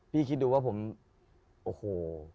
คิดดูว่าผมโอ้โห